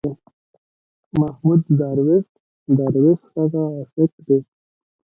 محمود درویش، درویش هغه عاشق دی.